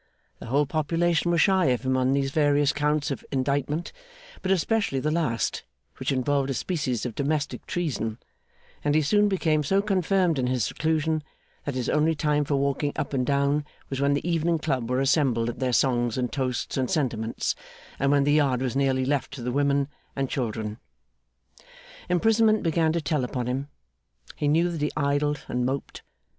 The whole population were shy of him on these various counts of indictment, but especially the last, which involved a species of domestic treason; and he soon became so confirmed in his seclusion, that his only time for walking up and down was when the evening Club were assembled at their songs and toasts and sentiments, and when the yard was nearly left to the women and children. Imprisonment began to tell upon him. He knew that he idled and moped.